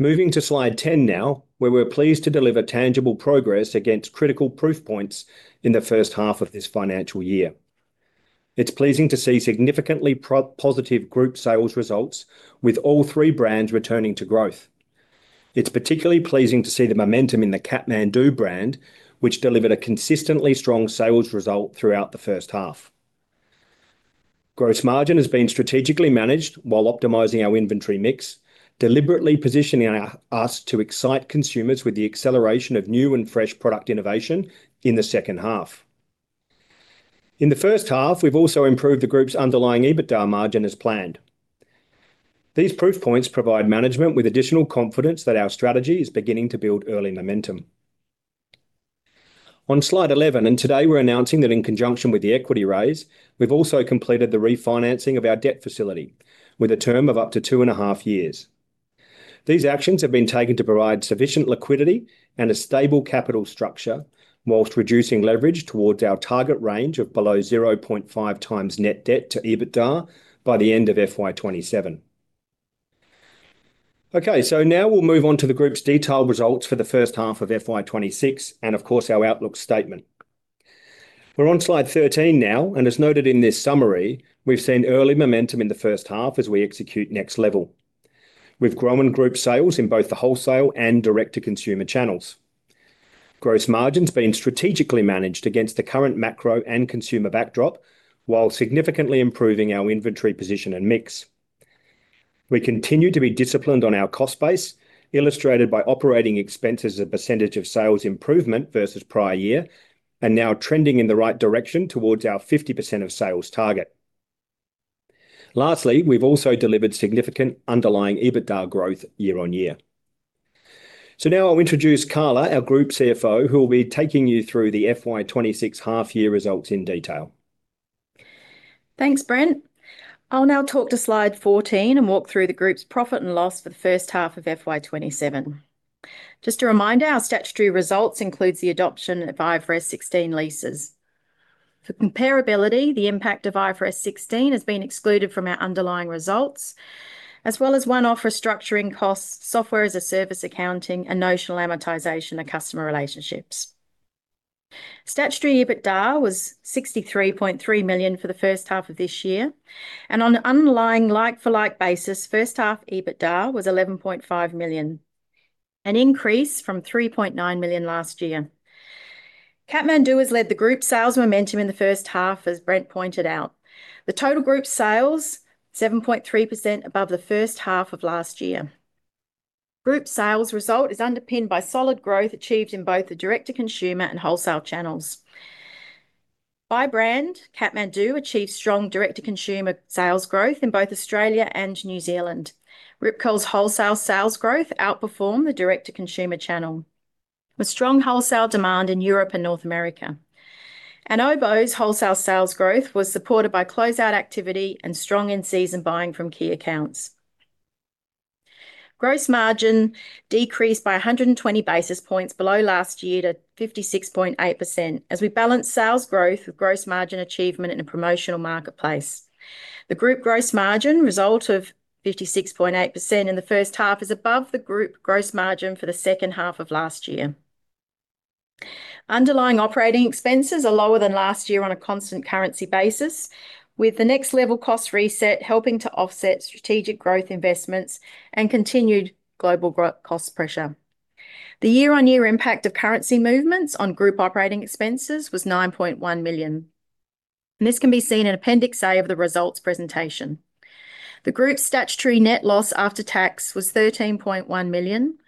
Moving to slide 10 now, where we're pleased to deliver tangible progress against critical proof points in the first half of this financial year. It's pleasing to see significantly positive group sales results with all three brands returning to growth. It's particularly pleasing to see the momentum in the Kathmandu brand, which delivered a consistently strong sales result throughout the first half. Gross margin has been strategically managed while optimizing our inventory mix, deliberately positioning us to excite consumers with the acceleration of new and fresh product innovation in the second half. In the first half, we've also improved the group's underlying EBITDA margin as planned. These proof points provide management with additional confidence that our strategy is beginning to build early momentum. On slide 11, today we're announcing that in conjunction with the equity raise, we've also completed the refinancing of our debt facility with a term of up to 2.5 years. These actions have been taken to provide sufficient liquidity and a stable capital structure while reducing leverage towards our target range of below 0.5x net debt to EBITDA by the end of FY 2027. Okay, now we'll move on to the group's detailed results for the first half of FY 2026 and of course, our outlook statement. We're on slide 13 now, and as noted in this summary, we've seen early momentum in the first half as we execute Next Level. We've grown group sales in both the wholesale and direct-to-consumer channels. Gross margin's been strategically managed against the current macro and consumer backdrop, while significantly improving our inventory position and mix. We continue to be disciplined on our cost base, illustrated by operating expenses as a percentage of sales improvement versus prior year, and now trending in the right direction towards our 50% of sales target. Lastly, we've also delivered significant underlying EBITDA growth year-on-year. Now I'll introduce Carla, our group CFO, who will be taking you through the FY 2026 half year results in detail. Thanks, Brent. I'll now talk to slide 14 and walk through the group's profit and loss for the first half of FY 2027. Just a reminder, our statutory results includes the adoption of IFRS 16 leases. For comparability, the impact of IFRS 16 has been excluded from our underlying results, as well as one-off restructuring costs, software as a service accounting, and notional amortization of customer relationships. Statutory EBITDA was 63.3 million for the first half of this year. On an underlying like-for-like basis, first half EBITDA was 11.5 million, an increase from 3.9 million last year. Kathmandu has led the group sales momentum in the first half, as Brent pointed out. The total group sales, 7.3% above the first half of last year. Group sales result is underpinned by solid growth achieved in both the direct-to-consumer and wholesale channels. By brand, Kathmandu achieved strong direct-to-consumer sales growth in both Australia and New Zealand. Rip Curl's wholesale sales growth outperformed the direct-to-consumer channel, with strong wholesale demand in Europe and North America. Oboz wholesale sales growth was supported by closeout activity and strong in-season buying from key accounts. Gross margin decreased by 120 basis points below last year to 56.8%, as we balanced sales growth with gross margin achievement in a promotional marketplace. The group gross margin result of 56.8% in the first half is above the group gross margin for the second half of last year. Underlying operating expenses are lower than last year on a constant currency basis, with the Next Level cost reset helping to offset strategic growth investments and continued global cost pressure. The year-on-year impact of currency movements on group operating expenses was 9.1 million, and this can be seen in Appendix A of the results presentation. The group's statutory net loss after tax was 13.1 million.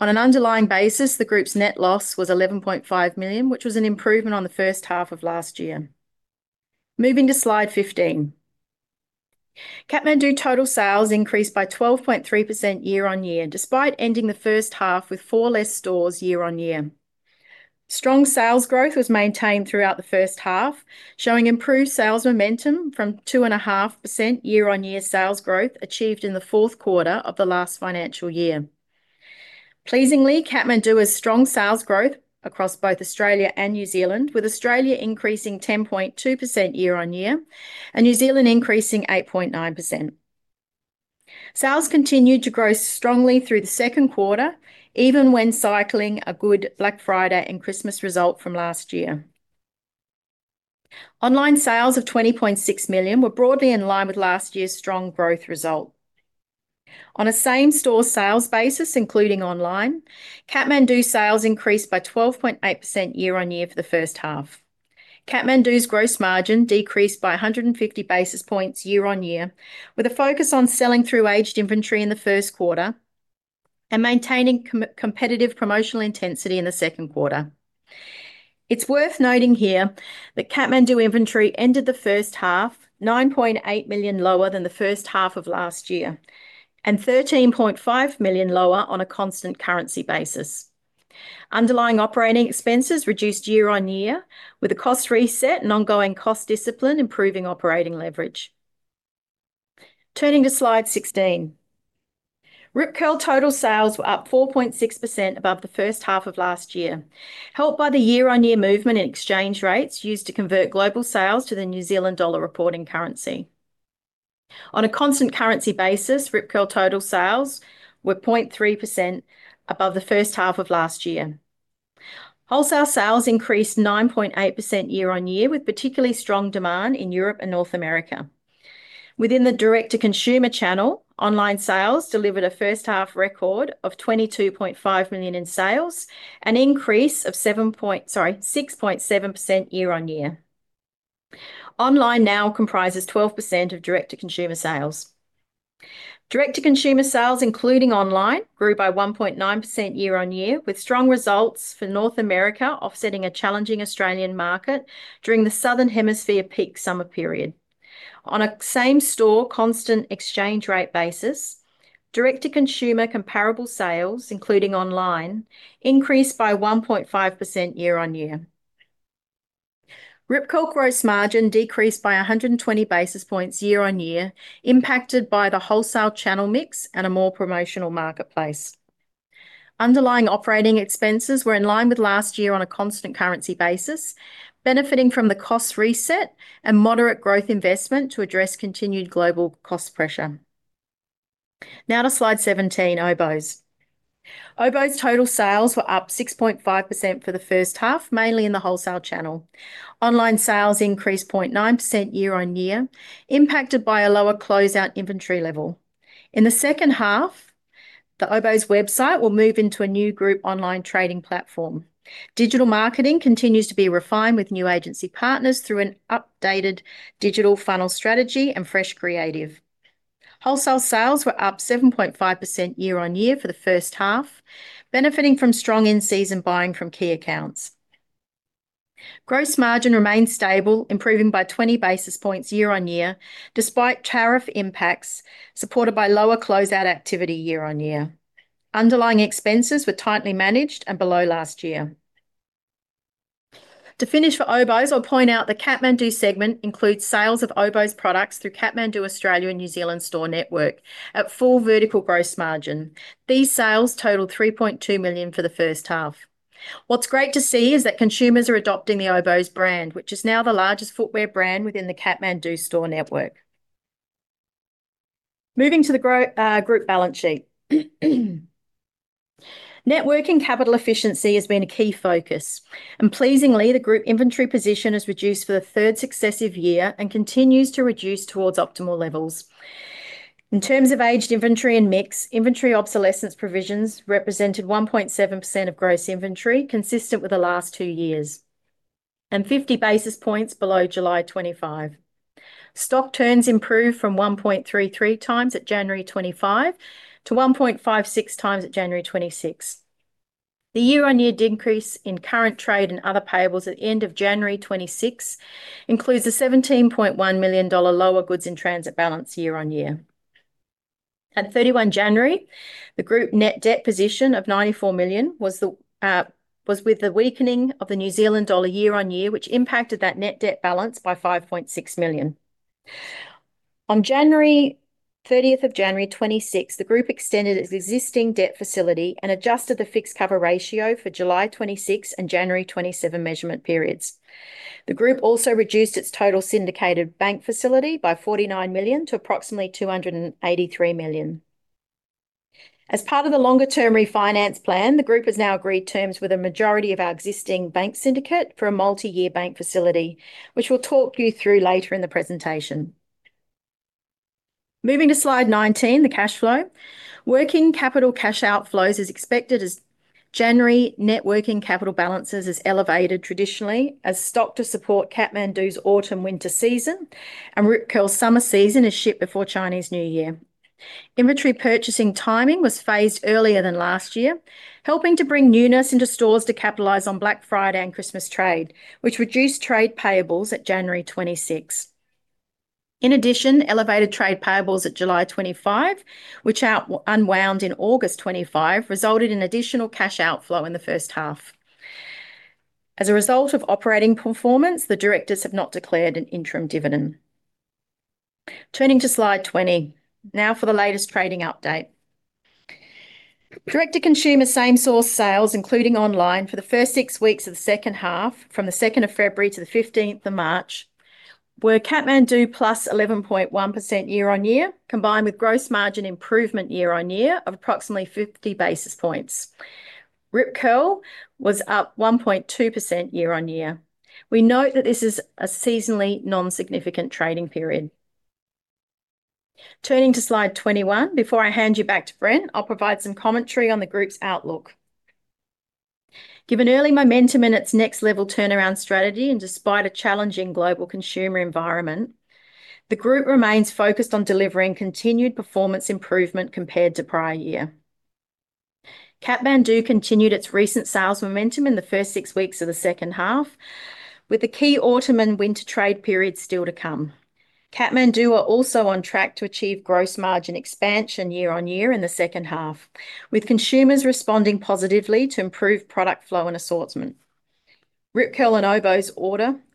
On an underlying basis, the group's net loss was 11.5 million, which was an improvement on the first half of last year. Moving to slide 15. Kathmandu total sales increased by 12.3% year-on-year, despite ending the first half with four less stores year-on-year. Strong sales growth was maintained throughout the first half, showing improved sales momentum from 2.5% year-on-year sales growth achieved in the fourth quarter of the last financial year. Pleasingly, Kathmandu has strong sales growth across both Australia and New Zealand, with Australia increasing 10.2% year-on-year and New Zealand increasing 8.9%. Sales continued to grow strongly through the second quarter, even when cycling a good Black Friday and Christmas result from last year. Online sales of 20.6 million were broadly in line with last year's strong growth result. On a same-store sales basis, including online, Kathmandu sales increased by 12.8% year-on-year for the first half. Kathmandu's gross margin decreased by 150 basis points year-on-year, with a focus on selling through aged inventory in the first quarter and maintaining competitive promotional intensity in the second quarter. It's worth noting here that Kathmandu inventory ended the first half 9.8 million lower than the first half of last year, and 13.5 million lower on a constant currency basis. Underlying operating expenses reduced year-on-year, with a cost reset and ongoing cost discipline improving operating leverage. Turning to slide 16. Rip Curl total sales were up 4.6% above the first half of last year, helped by the year-on-year movement in exchange rates used to convert global sales to the New Zealand dollar reporting currency. On a constant currency basis, Rip Curl total sales were 0.3% above the first half of last year. Wholesale sales increased 9.8% year-on-year, with particularly strong demand in Europe and North America. Within the direct-to-consumer channel, online sales delivered a first-half record of 22.5 million in sales, an increase of 6.7% year-over-year. Online now comprises 12% of direct-to-consumer sales. Direct-to-consumer sales, including online, grew by 1.9% year-over-year, with strong results for North America offsetting a challenging Australian market during the Southern Hemisphere peak summer period. On a same store constant exchange rate basis, direct-to-consumer comparable sales, including online, increased by 1.5% year-over-year. Rip Curl gross margin decreased by 120 basis points year-over-year, impacted by the wholesale channel mix and a more promotional marketplace. Underlying operating expenses were in line with last year on a constant currency basis, benefiting from the cost reset and moderate growth investment to address continued global cost pressure. Now to slide 17, Oboz. Oboz total sales were up 6.5% for the first half, mainly in the wholesale channel. Online sales increased 0.9% year-on-year, impacted by a lower closeout inventory level. In the second half, the Oboz website will move into a new group online trading platform. Digital marketing continues to be refined with new agency partners through an updated digital funnel strategy and fresh creative. Wholesale sales were up 7.5% year-on-year for the first half, benefiting from strong in-season buying from key accounts. Gross margin remained stable, improving by 20 basis points year-on-year, despite tariff impacts supported by lower closeout activity year-on-year. Underlying expenses were tightly managed and below last year. To finish for Oboz, I'll point out the Kathmandu segment includes sales of Oboz products through Kathmandu Australia and New Zealand store network at full vertical gross margin. These sales totaled 3.2 million for the first half. What's great to see is that consumers are adopting the Oboz brand, which is now the largest footwear brand within the Kathmandu store network. Moving to the group balance sheet. Net working capital efficiency has been a key focus. Pleasingly, the group inventory position has reduced for the third successive year and continues to reduce towards optimal levels. In terms of aged inventory and mix, inventory obsolescence provisions represented 1.7% of gross inventory, consistent with the last two years, and 50 basis points below July 2025. Stock turns improved from 1.33x at January 2025 to 1.56x at January 2026. The year-on-year decrease in current trade and other payables at the end of January 2026 includes a 17.1 million dollar lower goods in transit balance year-on-year. At January 31, the group net debt position of 94 million was with the weakening of the New Zealand dollar year-on-year, which impacted that net debt balance by 5.6 million. On January 30th, 2026, the group extended its existing debt facility and adjusted the fixed cover ratio for July 2026 and January 2027 measurement periods. The group also reduced its total syndicated bank facility by 49 million to approximately 283 million. As part of the longer term refinance plan, the group has now agreed terms with a majority of our existing bank syndicate for a multi-year bank facility, which we'll talk you through later in the presentation. Moving to slide 19, the cash flow. Working capital cash outflows is expected as January net working capital balances is elevated traditionally as stock to support Kathmandu's autumn/winter season and Rip Curl's summer season is shipped before Chinese New Year. Inventory purchasing timing was phased earlier than last year, helping to bring newness into stores to capitalize on Black Friday and Christmas trade, which reduced trade payables at January 2026. In addition, elevated trade payables at July 2025, which unwound in August 2025, resulted in additional cash outflow in the first half. As a result of operating performance, the directors have not declared an interim dividend. Turning to slide 20. Now for the latest trading update. Direct-to-consumer same-store sales, including online, for the first six weeks of the second half, from February 2nd to March 15th, were Kathmandu +11.1% year-on-year, combined with gross margin improvement year-on-year of approximately 50 basis points. Rip Curl was up 1.2% year-on-year. We note that this is a seasonally non-significant trading period. Turning to slide 21, before I hand you back to Brent, I'll provide some commentary on the group's outlook. Given early momentum in its Next Level turnaround strategy and despite a challenging global consumer environment, the group remains focused on delivering continued performance improvement compared to prior year. Kathmandu continued its recent sales momentum in the first six weeks of the second half, with the key autumn and winter trade periods still to come. Kathmandu is on track to achieve gross margin expansion year-over-year in the second half, with consumers responding positively to improved product flow and assortment. Rip Curl and Oboz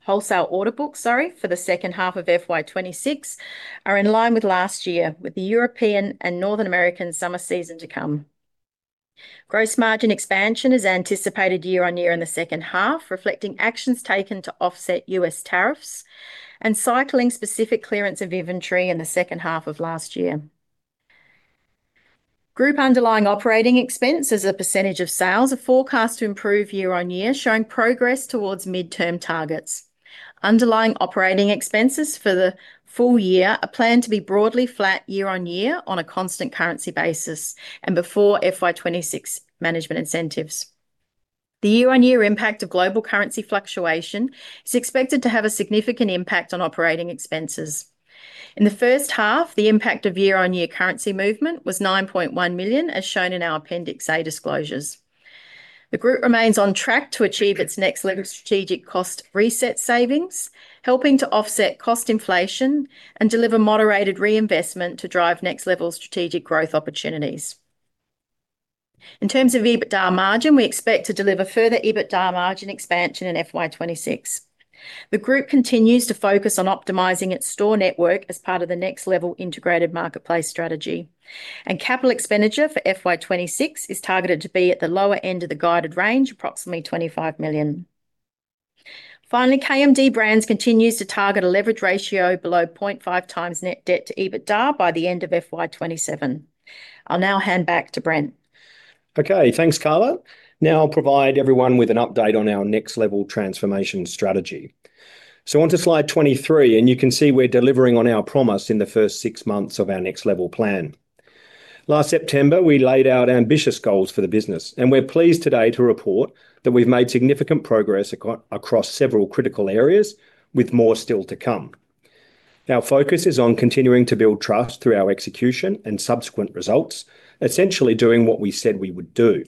wholesale order books for the second half of FY 2026 are in line with last year, with the European and North American summer season to come. Gross margin expansion is anticipated year-over-year in the second half, reflecting actions taken to offset U.S. tariffs and cycling specific clearance of inventory in the second half of last year. Group underlying operating expense as a percentage of sales is forecast to improve year-over-year, showing progress towards midterm targets. Underlying operating expenses for the full year are planned to be broadly flat year-over-year on a constant currency basis and before FY 2026 management incentives. The year-on-year impact of global currency fluctuation is expected to have a significant impact on operating expenses. In the first half, the impact of year-on-year currency movement was 9.1 million, as shown in our Appendix A disclosures. The group remains on track to achieve its Next Level strategic cost reset savings, helping to offset cost inflation and deliver moderated reinvestment to drive Next Level strategic growth opportunities. In terms of EBITDA margin, we expect to deliver further EBITDA margin expansion in FY 2026. The group continues to focus on optimizing its store network as part of the Next Level integrated marketplace strategy. Capital expenditure for FY 2026 is targeted to be at the lower end of the guided range, approximately 25 million. Finally, KMD Brands continues to target a leverage ratio below 0.5x net debt to EBITDA by the end of FY 2027. I'll now hand back to Brent. Okay, thanks, Carla. Now I'll provide everyone with an update on our Next Level transformation strategy. Onto slide 23, and you can see we're delivering on our promise in the first six months of our Next Level plan. Last September, we laid out ambitious goals for the business, and we're pleased today to report that we've made significant progress across several critical areas, with more still to come. Our focus is on continuing to build trust through our execution and subsequent results, essentially doing what we said we would do.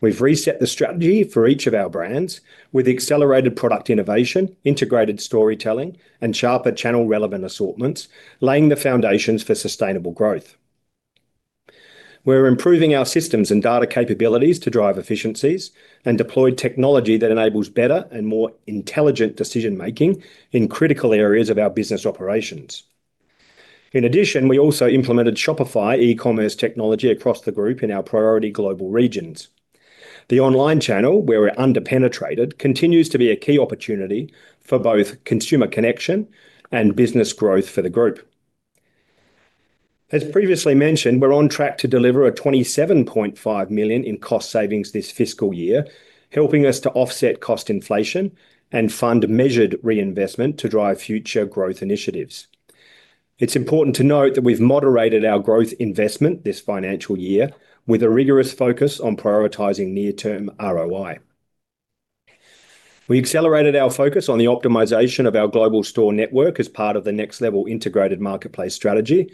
We've reset the strategy for each of our brands with accelerated product innovation, integrated storytelling, and sharper channel-relevant assortments, laying the foundations for sustainable growth. We're improving our systems and data capabilities to drive efficiencies and deploy technology that enables better and more intelligent decision-making in critical areas of our business operations. In addition, we also implemented Shopify e-commerce technology across the group in our priority global regions. The online channel, where we're under-penetrated, continues to be a key opportunity for both consumer connection and business growth for the group. As previously mentioned, we're on track to deliver 27.5 million in cost savings this fiscal year, helping us to offset cost inflation and fund measured reinvestment to drive future growth initiatives. It's important to note that we've moderated our growth investment this financial year with a rigorous focus on prioritizing near-term ROI. We accelerated our focus on the optimization of our global store network as part of the Next Level integrated marketplace strategy,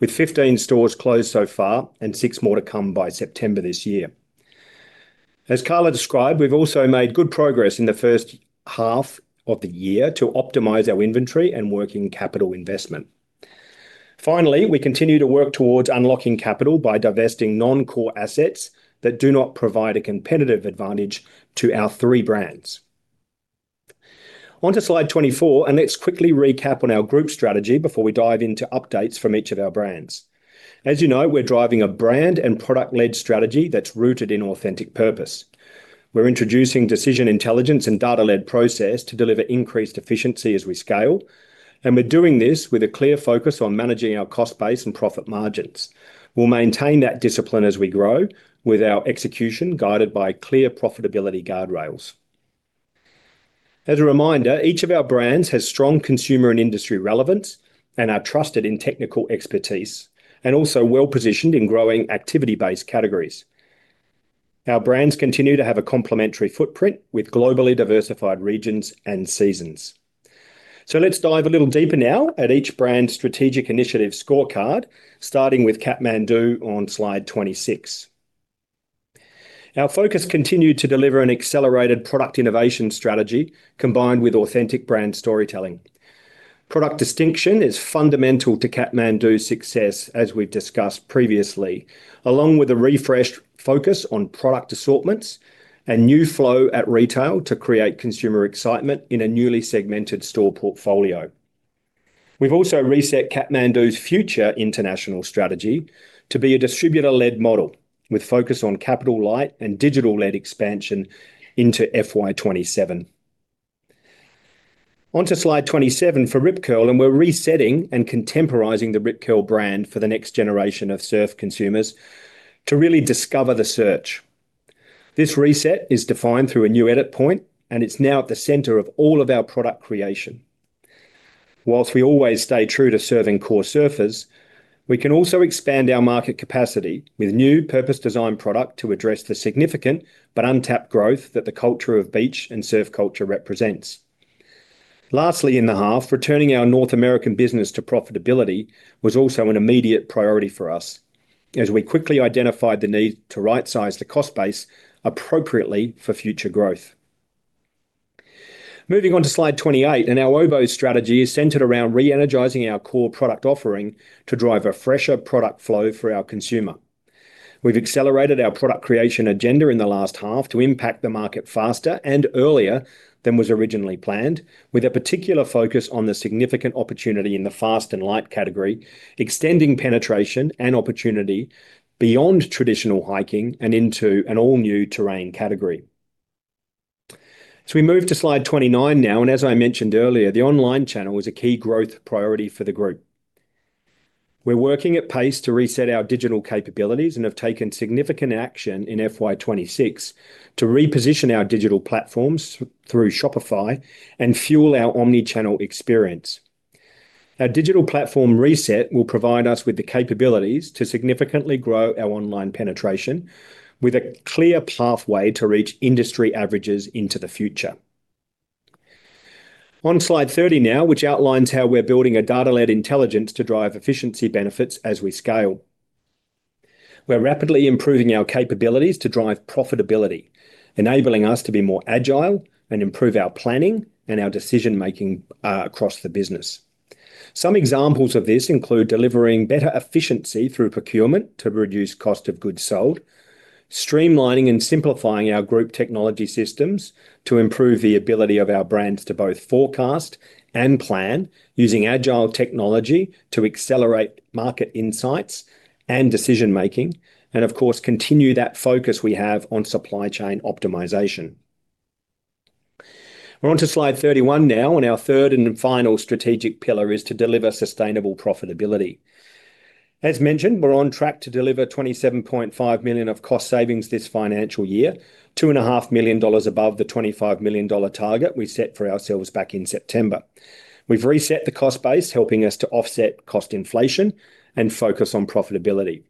with 15 stores closed so far and six more to come by September this year. As Carla described, we've also made good progress in the first half of the year to optimize our inventory and working capital investment. Finally, we continue to work towards unlocking capital by divesting non-core assets that do not provide a competitive advantage to our three brands. On to slide 24, and let's quickly recap on our group strategy before we dive into updates from each of our brands. As you know, we're driving a brand and product-led strategy that's rooted in authentic purpose. We're introducing decision intelligence and data-led process to deliver increased efficiency as we scale. We're doing this with a clear focus on managing our cost base and profit margins. We'll maintain that discipline as we grow with our execution guided by clear profitability guardrails. As a reminder, each of our brands has strong consumer and industry relevance and are trusted in technical expertise and also well-positioned in growing activity-based categories. Our brands continue to have a complementary footprint with globally diversified regions and seasons. Let's dive a little deeper now at each brand's strategic initiative scorecard, starting with Kathmandu on slide 26. Our focus continued to deliver an accelerated product innovation strategy combined with authentic brand storytelling. Product distinction is fundamental to Kathmandu's success, as we've discussed previously, along with a refreshed focus on product assortments and new flow at retail to create consumer excitement in a newly segmented store portfolio. We've also reset Kathmandu's future international strategy to be a distributor-led model with focus on capital light and digital-led expansion into FY 2027. On to slide 27 for Rip Curl, we're resetting and contemporizing the Rip Curl brand for the next generation of surf consumers to really discover the surf. This reset is defined through a new edit point, and it's now at the center of all of our product creation. While we always stay true to serving core surfers, we can also expand our market capacity with new purpose-designed product to address the significant but untapped growth that the culture of beach and surf culture represents. Lastly, in the half, returning our North American business to profitability was also an immediate priority for us, as we quickly identified the need to right-size the cost base appropriately for future growth. Moving on to slide 28, our Oboz strategy is centered around re-energizing our core product offering to drive a fresher product flow for our consumer. We've accelerated our product creation agenda in the last half to impact the market faster and earlier than was originally planned, with a particular focus on the significant opportunity in the fast and light category, extending penetration and opportunity beyond traditional hiking and into an all-new terrain category. We move to slide 29 now, and as I mentioned earlier, the online channel was a key growth priority for the group. We're working at pace to reset our digital capabilities and have taken significant action in FY 2026 to reposition our digital platforms through Shopify and fuel our omni-channel experience. Our digital platform reset will provide us with the capabilities to significantly grow our online penetration with a clear pathway to reach industry averages into the future. On slide 30 now, which outlines how we're building a data-led intelligence to drive efficiency benefits as we scale. We're rapidly improving our capabilities to drive profitability, enabling us to be more agile and improve our planning and our decision-making across the business. Some examples of this include delivering better efficiency through procurement to reduce cost of goods sold, streamlining and simplifying our group technology systems to improve the ability of our brands to both forecast and plan using agile technology to accelerate market insights and decision-making, and of course, continue that focus we have on supply chain optimization. We're onto slide 31 now, and our third and final strategic pillar is to deliver sustainable profitability. As mentioned, we're on track to deliver 27.5 million of cost savings this financial year, 2.5 million dollars above the 25 million dollar target we set for ourselves back in September. We've reset the cost base, helping us to offset cost inflation and focus on profitability.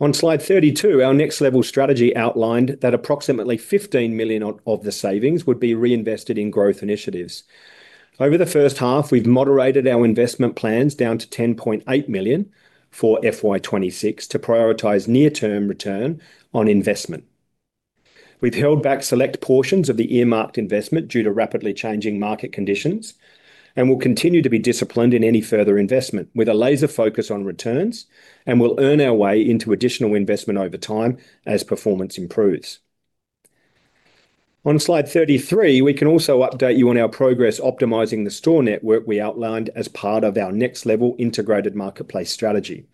On slide 32, our Next Level strategy outlined that approximately 15 million of the savings would be reinvested in growth initiatives. Over the first half, we've moderated our investment plans down to 10.8 million for FY 2026 to prioritize near-term return on investment. We've held back select portions of the earmarked investment due to rapidly changing market conditions and will continue to be disciplined in any further investment, with a laser focus on returns, and we'll earn our way into additional investment over time as performance improves. On slide 33, we can also update you on our progress optimizing the store network we outlined as part of our Next Level integrated marketplace strategy.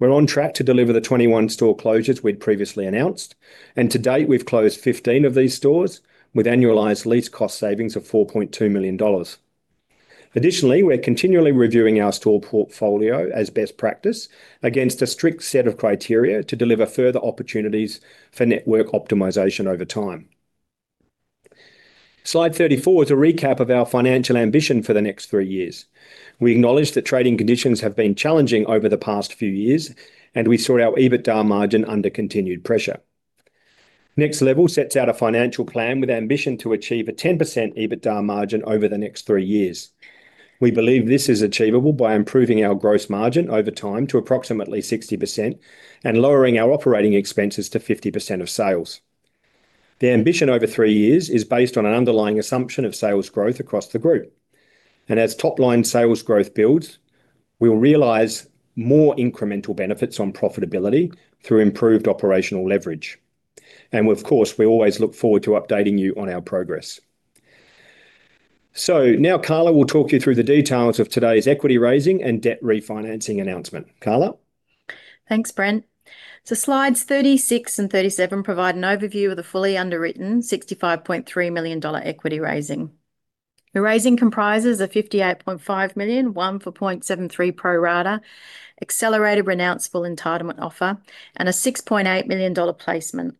We're on track to deliver the 21 store closures we'd previously announced, and to date, we've closed 15 of these stores with annualized lease cost savings of 4.2 million dollars. Additionally, we're continually reviewing our store portfolio as best practice against a strict set of criteria to deliver further opportunities for network optimization over time. Slide 34 is a recap of our financial ambition for the next three years. We acknowledge that trading conditions have been challenging over the past few years, and we saw our EBITDA margin under continued pressure. Next Level sets out a financial plan with ambition to achieve a 10% EBITDA margin over the next three years. We believe this is achievable by improving our gross margin over time to approximately 60% and lowering our operating expenses to 50% of sales. The ambition over three years is based on an underlying assumption of sales growth across the group. As top-line sales growth builds, we will realize more incremental benefits on profitability through improved operational leverage. Of course, we always look forward to updating you on our progress. Now Carla will talk you through the details of today's equity raising and debt refinancing announcement. Carla? Thanks, Brent. Slides 36 and 37 provide an overview of the fully underwritten 65.3 million dollar equity raising. The raising comprises a 58.5 million, one for 7.3 pro rata accelerated renounceable entitlement offer and a 6.8 million dollar placement.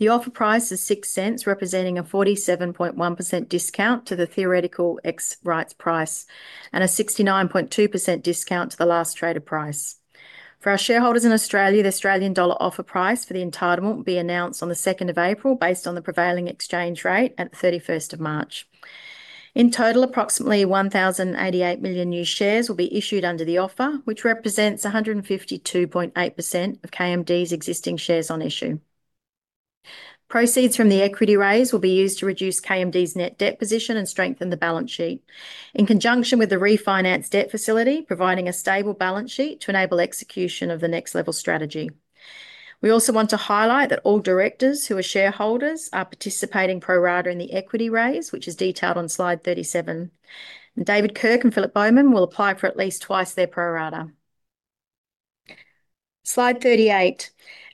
The offer price is 0.06, representing a 47.1% discount to the theoretical ex-rights price and a 69.2% discount to the last traded price. For our shareholders in Australia, the AUD offer price for the entitlement will be announced on April 2nd based on the prevailing exchange rate at March 31st. In total, approximately 1,088 million new shares will be issued under the offer, which represents 152.8% of KMD's existing shares on issue. Proceeds from the equity raise will be used to reduce KMD's net debt position and strengthen the balance sheet in conjunction with the refinance debt facility, providing a stable balance sheet to enable execution of the Next Level strategy. We also want to highlight that all directors who are shareholders are participating pro rata in the equity raise, which is detailed on slide 37. David Kirk and Philip Bowman will apply for at least twice their pro rata. Slide 38.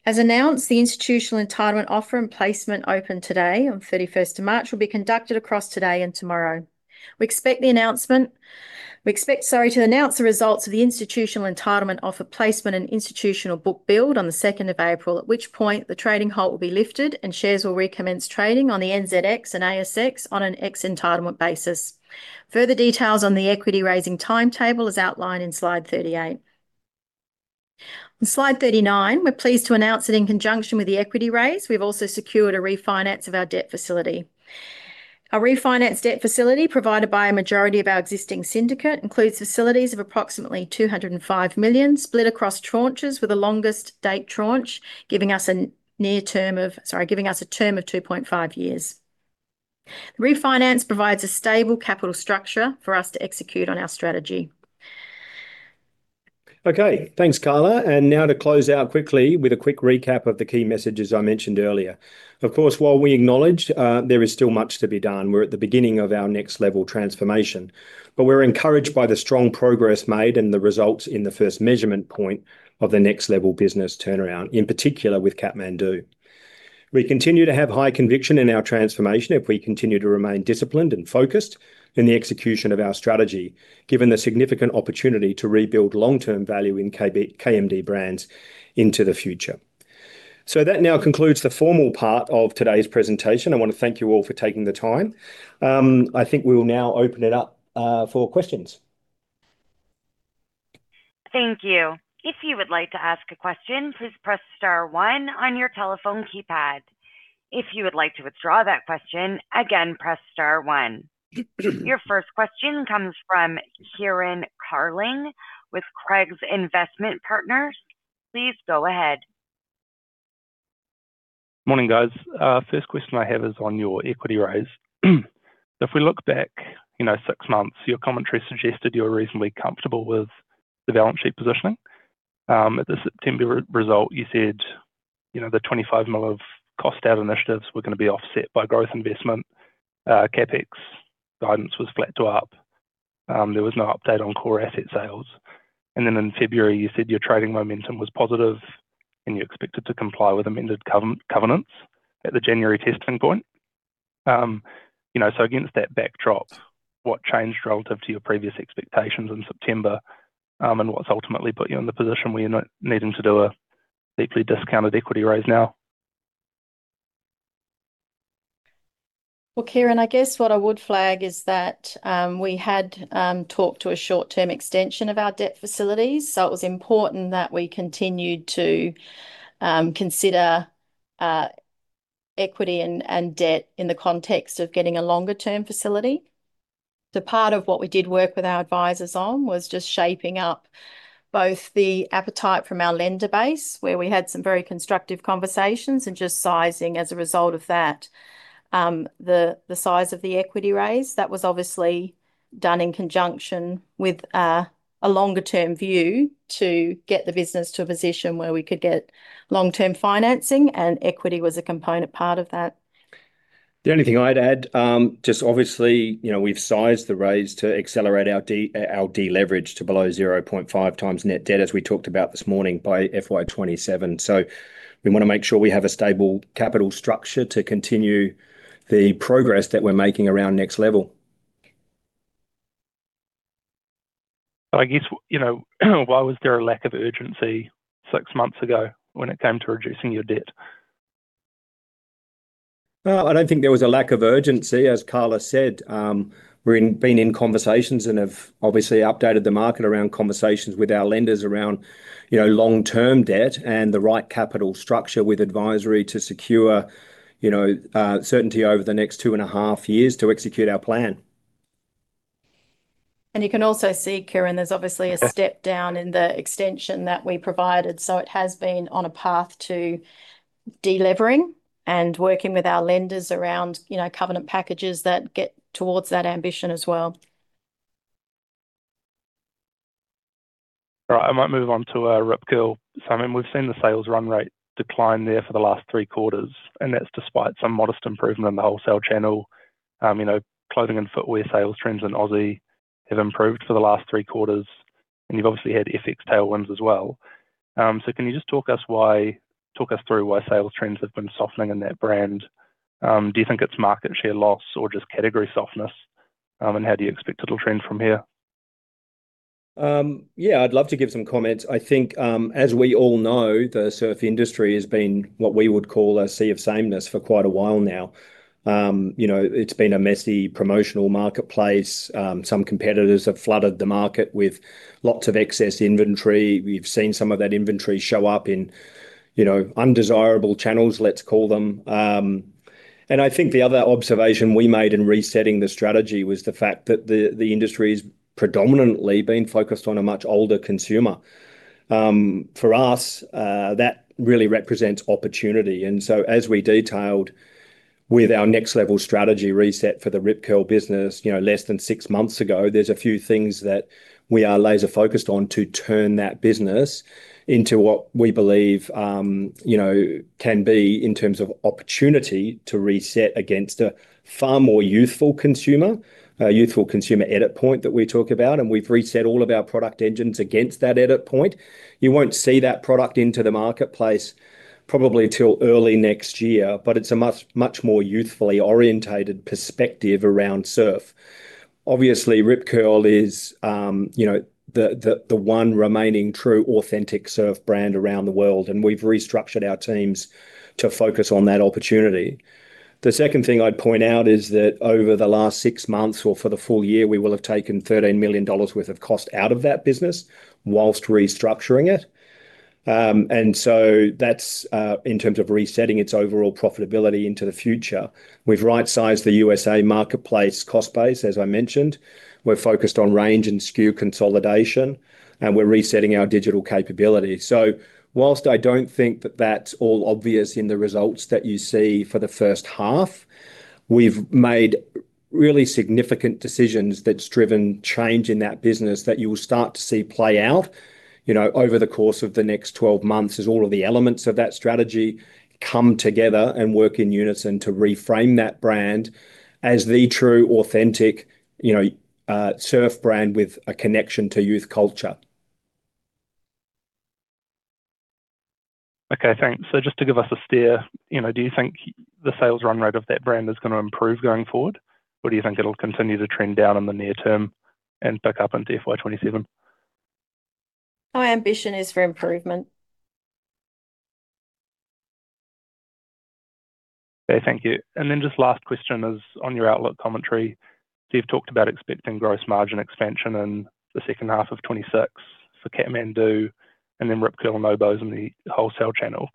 As announced, the institutional entitlement offer and placement open today, on March 31st, will be conducted across today and tomorrow. We expect to announce the results of the institutional entitlement offer placement and institutional book build on the April 2nd, at which point the trading halt will be lifted and shares will recommence trading on the NZX and ASX on an ex entitlement basis. Further details on the equity raising timetable is outlined in slide 38. On slide 39, we're pleased to announce that in conjunction with the equity raise, we've also secured a refinance of our debt facility. A refinance debt facility provided by a majority of our existing syndicate includes facilities of approximately 205 million split across tranches, with the longest date tranche giving us a term of 2.5 years. Refinance provides a stable capital structure for us to execute on our strategy. Okay. Thanks, Carla. Now to close out quickly with a quick recap of the key messages I mentioned earlier. Of course, while we acknowledge there is still much to be done, we're at the beginning of our Next Level transformation. We're encouraged by the strong progress made and the results in the first measurement point of the Next Level business turnaround, in particular with Kathmandu. We continue to have high conviction in our transformation if we continue to remain disciplined and focused in the execution of our strategy, given the significant opportunity to rebuild long-term value in KMD Brands into the future. That now concludes the formal part of today's presentation. I wanna thank you all for taking the time. I think we'll now open it up for questions. Thank you. If you would like to ask a question, please press star one on your telephone keypad. If you would like to withdraw that question, again, press star one. Your first question comes from Kieran Carling with Craigs Investment Partners. Please go ahead. Morning, guys. First question I have is on your equity raise. If we look back, you know, six months, your commentary suggested you were reasonably comfortable with the balance sheet positioning. At the September result, you said, you know, the 25 million of cost-out initiatives were gonna be offset by growth investment. CapEx guidance was flat to up. There was no update on core asset sales. Then in February, you said your trading momentum was positive, and you expected to comply with amended covenants at the January testing point. You know, against that backdrop, what changed relative to your previous expectations in September, and what's ultimately put you in the position where you're needing to do a deeply discounted equity raise now? Well, Kieran, I guess what I would flag is that we had talked to a short-term extension of our debt facilities, so it was important that we continued to consider equity and debt in the context of getting a longer-term facility. The part of what we did was work with our advisors on was just shaping up both the appetite from our lender base, where we had some very constructive conversations and just sizing as a result of that, the size of the equity raise. That was obviously done in conjunction with a longer-term view to get the business to a position where we could get long-term financing, and equity was a component part of that. The only thing I'd add, just obviously, you know, we've sized the raise to accelerate our de-leverage to below 0.5x net debt, as we talked about this morning, by FY 2027. We wanna make sure we have a stable capital structure to continue the progress that we're making around Next Level. I guess, you know, why was there a lack of urgency six months ago when it came to reducing your debt? Well, I don't think there was a lack of urgency. As Carla said, we have been in conversations and have obviously updated the market around conversations with our lenders around, you know, long-term debt and the right capital structure with advisory to secure, you know, certainty over the next 2.5 years to execute our plan. You can also see, Kieran, there's obviously a step down in the extension that we provided. It has been on a path to de-levering and working with our lenders around, you know, covenant packages that get towards that ambition as well. All right. I might move on to Rip Curl. I mean, we've seen the sales run rate decline there for the last three quarters, and that's despite some modest improvement in the wholesale channel. You know, clothing and footwear sales trends in Aussie have improved for the last three quarters, and you've obviously had FX tailwinds as well. Can you just talk us through why sales trends have been softening in that brand? Do you think it's market share loss or just category softness? How do you expect it'll trend from here? Yeah, I'd love to give some comments. I think, as we all know, the surf industry has been what we would call a sea of sameness for quite a while now. You know, it's been a messy promotional marketplace. Some competitors have flooded the market with lots of excess inventory. We've seen some of that inventory show up in, you know, undesirable channels, let's call them. I think the other observation we made in resetting the strategy was the fact that the industry's predominantly been focused on a much older consumer. For us, that really represents opportunity. As we detailed with our Next Level strategy reset for the Rip Curl business, you know, less than six months ago, there's a few things that we are laser-focused on to turn that business into what we believe, you know, can be in terms of opportunity to reset against a far more youthful consumer edit point that we talk about, and we've reset all of our product engines against that edit point. You won't see that product into the marketplace probably till early next year, but it's a much, much more youthfully oriented perspective around surf. Obviously, Rip Curl is, you know, the one remaining true, authentic surf brand around the world, and we've restructured our teams to focus on that opportunity. The second thing I'd point out is that over the last six months, or for the full year, we will have taken $13 million worth of cost out of that business while restructuring it. That's in terms of resetting its overall profitability into the future. We've right-sized the USA marketplace cost base, as I mentioned. We're focused on range and SKU consolidation, and we're resetting our digital capability. While I don't think that that's all obvious in the results that you see for the first half, we've made really significant decisions that's driven change in that business that you will start to see play out, you know, over the course of the next 12 months as all of the elements of that strategy come together and work in unison to reframe that brand as the true, authentic, you know, surf brand with a connection to youth culture. Okay, thanks. Just to give us a steer, you know, do you think the sales run rate of that brand is gonna improve going forward, or do you think it'll continue to trend down in the near term and pick up in FY 2027? Our ambition is for improvement. Okay, thank you. Then just last question is on your outlook commentary. You've talked about expecting gross margin expansion in the second half of 2026 for Kathmandu and then Rip Curl and Oboz in the wholesale channel.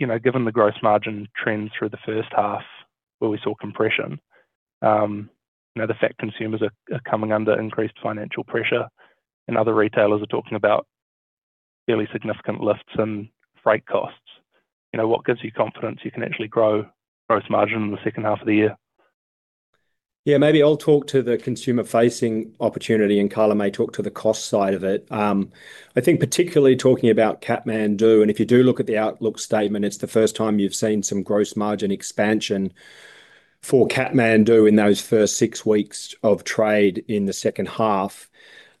You know, given the gross margin trend through the first half where we saw compression, you know, the fact consumers are coming under increased financial pressure and other retailers are talking about fairly significant lifts in freight costs, you know, what gives you confidence you can actually grow gross margin in the second half of the year? Yeah, maybe I'll talk to the consumer-facing opportunity, and Carla may talk to the cost side of it. I think particularly talking about Kathmandu, and if you do look at the outlook statement, it's the first time you've seen some gross margin expansion for Kathmandu in those first six weeks of trade in the second half.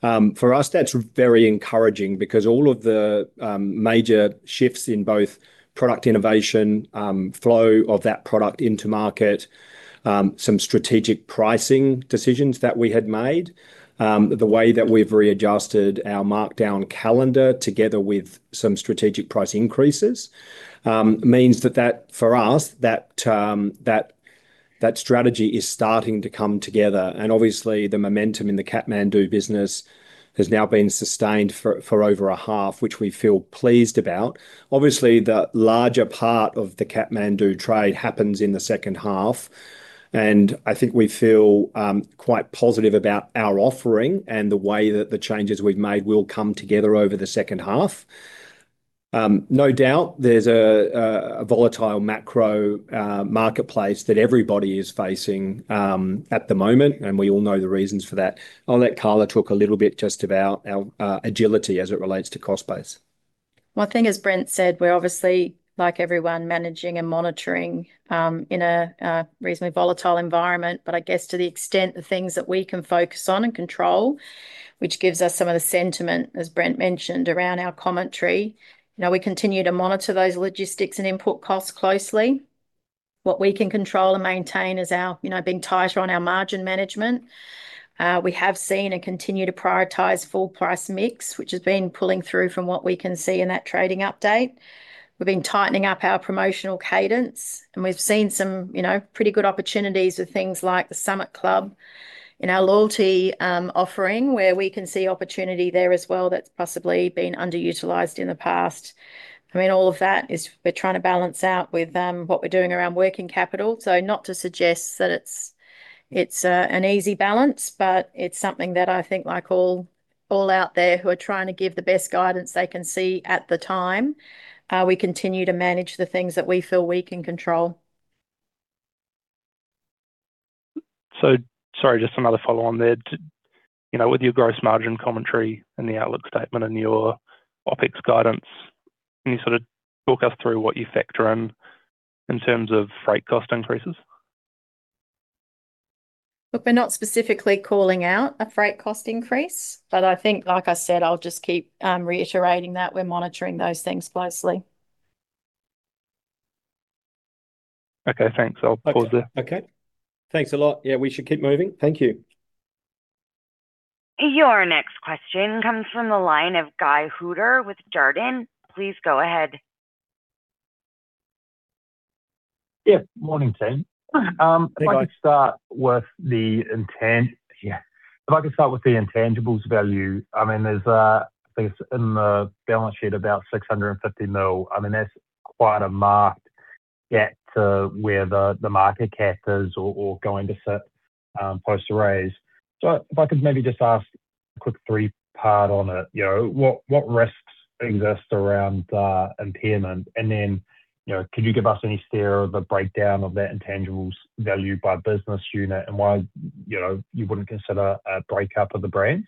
For us, that's very encouraging because all of the major shifts in both product innovation, flow of that product into market, some strategic pricing decisions that we had made, the way that we've readjusted our markdown calendar together with some strategic price increases, means that, for us, that strategy is starting to come together. Obviously the momentum in the Kathmandu business has now been sustained for over a half, which we feel pleased about. Obviously, the larger part of the Kathmandu trade happens in the second half, and I think we feel quite positive about our offering and the way that the changes we've made will come together over the second half. No doubt there's a volatile macro marketplace that everybody is facing at the moment, and we all know the reasons for that. I'll let Carla talk a little bit just about our agility as it relates to cost base. Well, I think as Brent said, we're obviously, like everyone, managing and monitoring in a reasonably volatile environment. I guess to the extent the things that we can focus on and control, which gives us some of the sentiment, as Brent mentioned, around our commentary, you know, we continue to monitor those logistics and input costs closely. What we can control and maintain is our, you know, being tighter on our margin management. We have seen and continue to prioritize full price mix, which has been pulling through from what we can see in that trading update. We've been tightening up our promotional cadence, and we've seen some, you know, pretty good opportunities with things like the Summit Club in our loyalty offering, where we can see opportunity there as well that's possibly been underutilized in the past. I mean, we're trying to balance out with what we're doing around working capital. Not to suggest that it's an easy balance, but it's something that I think, like all out there who are trying to give the best guidance they can see at the time, we continue to manage the things that we feel we can control. Sorry, just another follow-on there. To, you know, with your gross margin commentary and the outlook statement and your OpEx guidance, can you sort of talk us through what you factor in terms of freight cost increases? Look, we're not specifically calling out a freight cost increase, but I think, like I said, I'll just keep reiterating that we're monitoring those things closely. Okay, thanks. I'll pause there. Okay. Thanks a lot. Yeah, we should keep moving. Thank you. Your next question comes from the line of Guy Hooper with Jarden. Please go ahead. Yeah. Morning, team. Morning. If I could start with the intangibles value. I mean, there's, I think it's in the balance sheet about 650 million. I mean, that's quite a marked gap to where the market cap is or going to sit post the raise. If I could maybe just ask a quick three-part on it. You know, what risks exist around impairment? And then, you know, could you give us any steer on the breakdown of that intangibles value by business unit and why, you know, you wouldn't consider a breakup of the brands?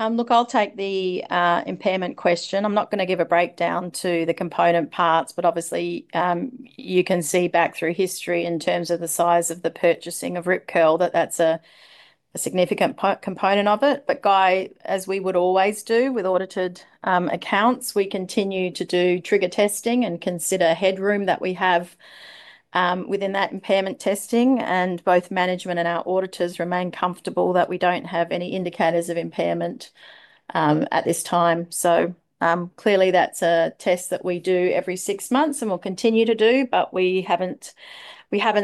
Look, I'll take the impairment question. I'm not gonna give a breakdown to the component parts, but obviously, you can see back through history in terms of the size of the purchasing of Rip Curl that that's a significant component of it. Guy, as we would always do with audited accounts, we continue to do trigger testing and consider headroom that we have within that impairment testing. Both management and our auditors remain comfortable that we don't have any indicators of impairment at this time. Clearly that's a test that we do every six months and will continue to do, but we haven't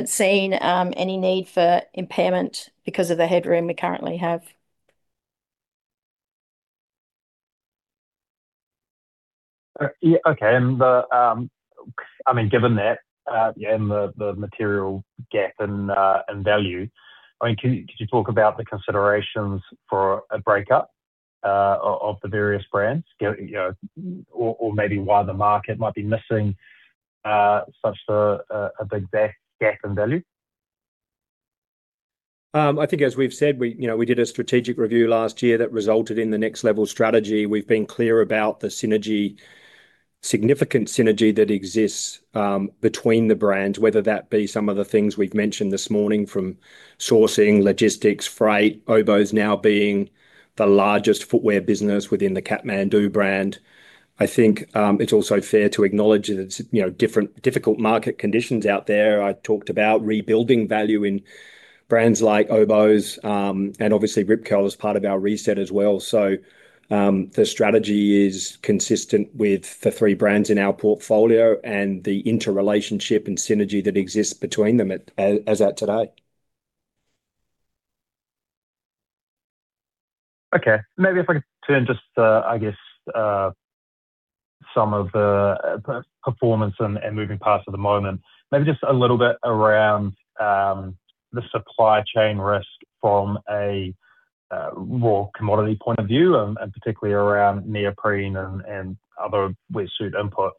seen any need for impairment because of the headroom we currently have. I mean, given that and the material gap in value, I mean, could you talk about the considerations for a breakup of the various brands? You know, or maybe why the market might be missing such a big gap in value. I think as we've said, we, you know, we did a strategic review last year that resulted in the Next Level strategy. We've been clear about the significant synergy that exists between the brands, whether that be some of the things we've mentioned this morning from sourcing, logistics, freight, Oboz now being the largest footwear business within the Kathmandu brand. I think it's also fair to acknowledge that it's, you know, difficult market conditions out there. I talked about rebuilding value in brands like Oboz and obviously Rip Curl is part of our reset as well. The strategy is consistent with the three brands in our portfolio and the interrelationship and synergy that exists between them as at today. Okay. Maybe if I could turn just to, I guess, some of the performance and moving parts at the moment. Maybe just a little bit around the supply chain risk from a raw commodity point of view, and particularly around neoprene and other wetsuit inputs.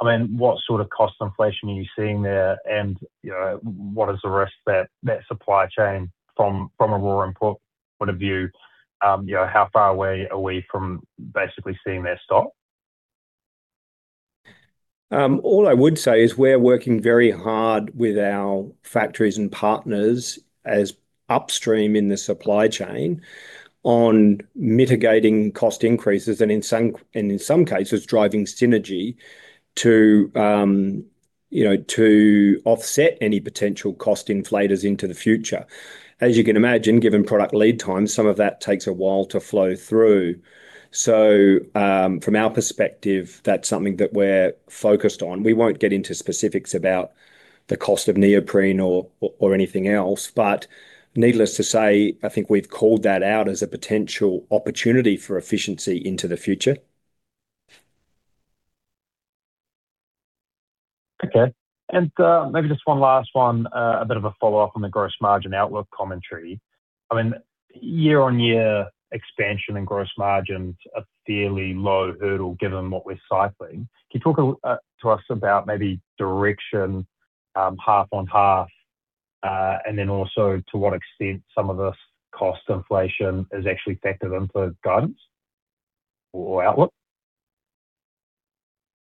I mean, what sort of cost inflation are you seeing there, and, you know, what is the risk that supply chain from a raw input point of view, you know, how far away are we from basically seeing that stop? All I would say is we're working very hard with our factories and partners as upstream in the supply chain on mitigating cost increases and in some cases driving synergy to, you know, to offset any potential cost inflators into the future. As you can imagine, given product lead times, some of that takes a while to flow through. From our perspective, that's something that we're focused on. We won't get into specifics about the cost of neoprene or anything else. Needless to say, I think we've called that out as a potential opportunity for efficiency into the future. Okay. Maybe just one last one, a bit of a follow-up on the gross margin outlook commentary. I mean, year-on-year expansion in gross margins are fairly low hurdle given what we're cycling. Can you talk to us about maybe direction, half on half, and then also to what extent some of this cost inflation is actually factored into the guidance or outlook?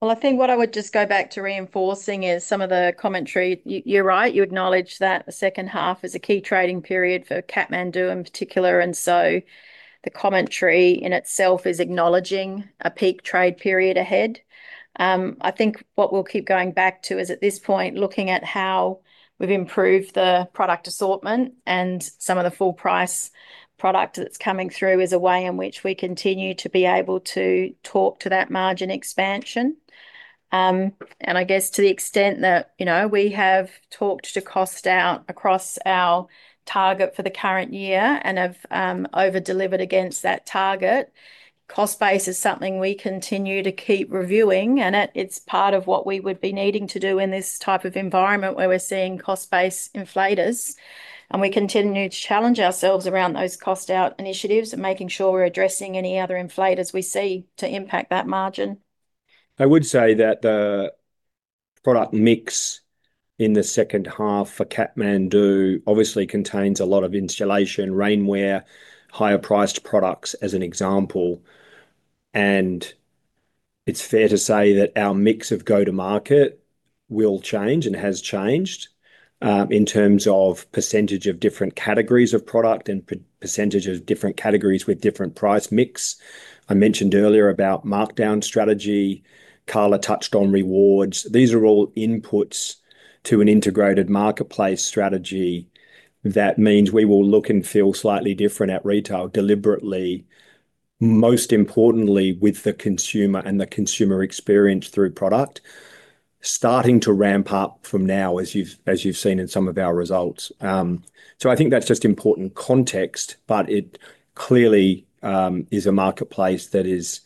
Well, I think what I would just go back to reinforcing is some of the commentary. You're right, you acknowledge that the second half is a key trading period for Kathmandu in particular. The commentary in itself is acknowledging a peak trade period ahead. I think what we'll keep going back to is, at this point, looking at how we've improved the product assortment and some of the full price product that's coming through as a way in which we continue to be able to talk to that margin expansion. I guess to the extent that, you know, we have talked to cost out across our target for the current year and have over-delivered against that target. Cost base is something we continue to keep reviewing and it's part of what we would be needing to do in this type of environment where we're seeing cost-based inflators. We continue to challenge ourselves around those cost-out initiatives and making sure we're addressing any other inflators we see to impact that margin. I would say that the product mix in the second half for Kathmandu obviously contains a lot of insulation, rainwear, higher-priced products, as an example. It's fair to say that our mix of go-to-market will change and has changed, in terms of percentage of different categories of product and percentage of different categories with different price mix. I mentioned earlier about markdown strategy. Carla touched on rewards. These are all inputs to an integrated marketplace strategy that means we will look and feel slightly different at retail deliberately, most importantly with the consumer and the consumer experience through product. Starting to ramp up from now, as you've seen in some of our results. I think that's just important context, but it clearly is a marketplace that is,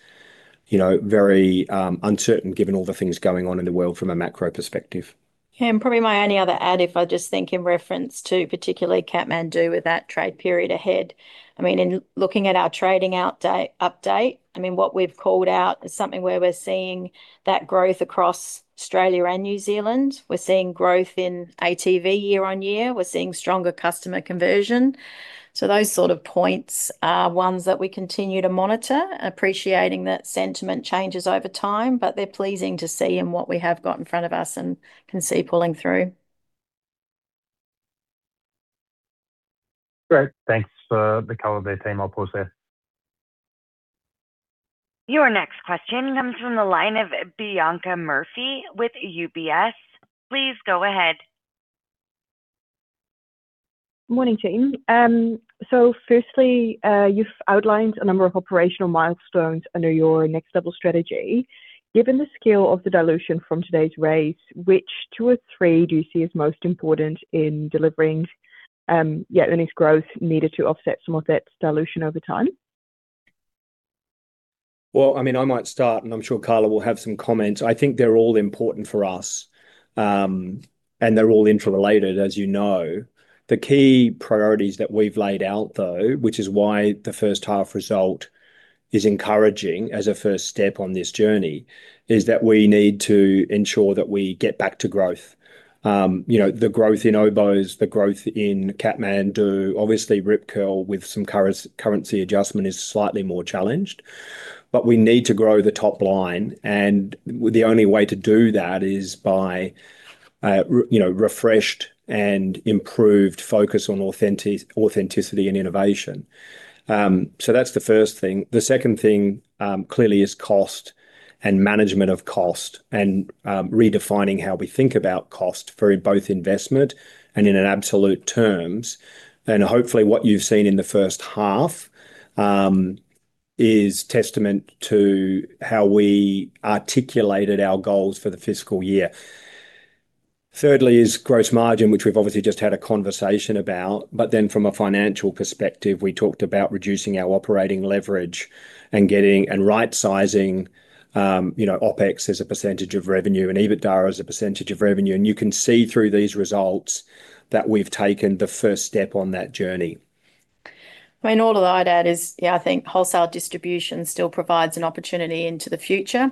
you know, very uncertain given all the things going on in the world from a macro perspective. Yeah, probably my only other add, if I just think in reference to particularly Kathmandu with that trade period ahead. I mean, in looking at our trading update, I mean, what we've called out is something where we're seeing that growth across Australia and New Zealand. We're seeing growth in ATV year-over-year. We're seeing stronger customer conversion. Those sort of points are ones that we continue to monitor, appreciating that sentiment changes over time, but they're pleasing to see in what we have got in front of us and can see pulling through. Great. Thanks for the color there, team. I'll pause there. Your next question comes from the line of Bianca Murphy with UBS. Please go ahead. Morning, team. You've outlined a number of operational milestones under your Next Level strategy. Given the scale of the dilution from today's rates, which two or three do you see as most important in delivering earnings growth needed to offset some of that dilution over time? Well, I mean, I might start, and I'm sure Carla will have some comments. I think they're all important for us, and they're all interrelated, as you know. The key priorities that we've laid out, though, which is why the first half result is encouraging as a first step on this journey, is that we need to ensure that we get back to growth. You know, the growth in Oboz, the growth in Kathmandu, obviously Rip Curl with some currency adjustment is slightly more challenged. But we need to grow the top line, and the only way to do that is by, you know, refreshed and improved focus on authenticity and innovation. So that's the first thing. The second thing, clearly is cost and management of cost, and, redefining how we think about cost for both investment and in an absolute terms. Hopefully what you've seen in the first half is testament to how we articulated our goals for the fiscal year. Thirdly is gross margin, which we've obviously just had a conversation about. From a financial perspective, we talked about reducing our operating leverage and getting and right sizing, you know, OpEx as a percentage of revenue and EBITDA as a percentage of revenue. You can see through these results that we've taken the first step on that journey. I mean, all that I'd add is, yeah, I think wholesale distribution still provides an opportunity into the future.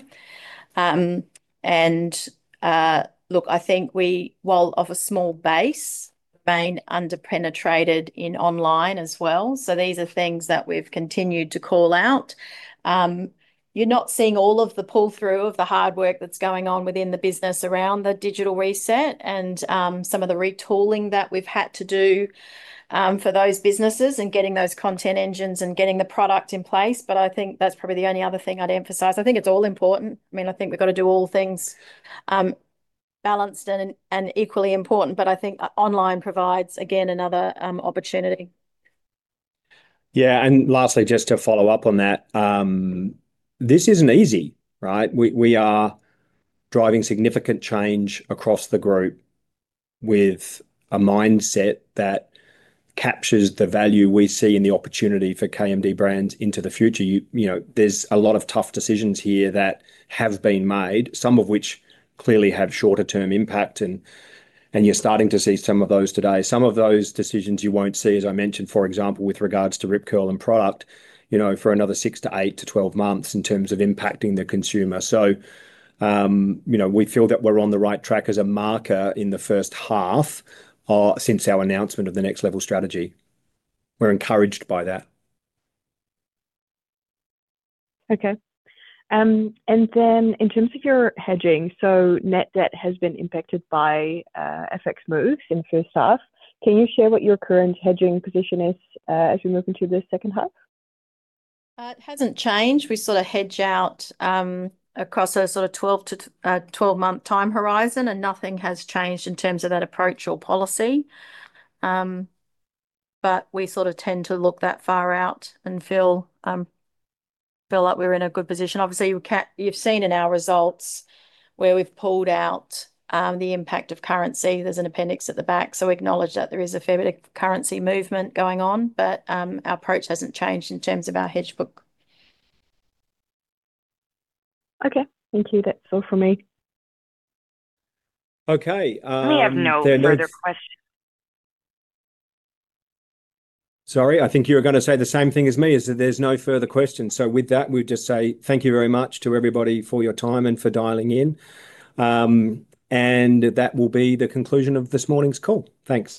Look, I think we, while off a small base, remain under-penetrated in online as well. These are things that we've continued to call out. You're not seeing all of the pull-through of the hard work that's going on within the business around the digital reset and some of the retooling that we've had to do for those businesses in getting those content engines and getting the product in place, but I think that's probably the only other thing I'd emphasize. I think it's all important. I mean, I think we've got to do all things balanced and equally important, but I think online provides, again, another opportunity. Yeah. Lastly, just to follow up on that, this isn't easy, right? We are driving significant change across the group with a mindset that captures the value we see and the opportunity for KMD Brands into the future. You know, there's a lot of tough decisions here that have been made, some of which clearly have shorter term impact and you're starting to see some of those today. Some of those decisions you won't see, as I mentioned, for example, with regards to Rip Curl and product, you know, for another six to eight to 12 months in terms of impacting the consumer. You know, we feel that we're on the right track as a marker in the first half since our announcement of the Next Level strategy. We're encouraged by that. Okay. In terms of your hedging, net debt has been impacted by FX moves in the first half. Can you share what your current hedging position is, as we move into the second half? It hasn't changed. We sort of hedge out across a sort of 12 month time horizon, and nothing has changed in terms of that approach or policy. We sort of tend to look that far out and feel like we're in a good position. Obviously, you've seen in our results where we've pulled out the impact of currency. There's an appendix at the back, so we acknowledge that there is a fair bit of currency movement going on. Our approach hasn't changed in terms of our hedge book. Okay. Thank you. That's all from me. Okay. We have no further questions. Sorry, I think you were gonna say the same thing as me, is that there's no further questions. With that, we'll just say thank you very much to everybody for your time and for dialing in. That will be the conclusion of this morning's call. Thanks.